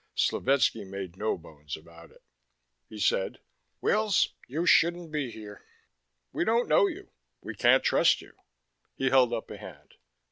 Slovetski made no bones about it. He said, "Wills, you shouldn't be here. We don't know you. We can't trust you." He held up a hand.